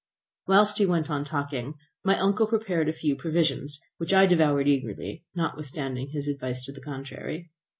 Whilst he went on talking, my uncle prepared a few provisions, which I devoured eagerly, notwithstanding his advice to the contrary.